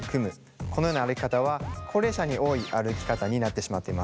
このような歩き方は高齢者に多い歩き方になってしまっています。